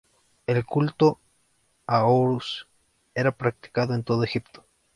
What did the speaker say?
El culto a Horus era practicado en todo Egipto.